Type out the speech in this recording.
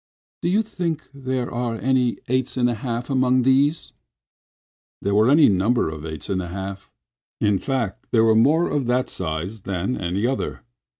"Do you think there are any eights and a half among these?" There were any number of eights and a half. In fact, there were more of that size than any other.